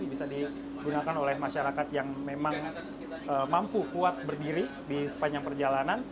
bisa digunakan oleh masyarakat yang memang mampu kuat berdiri di sepanjang perjalanan